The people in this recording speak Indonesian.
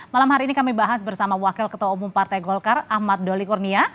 malam hari ini kami bahas bersama wakil ketua umum partai golkar ahmad doli kurnia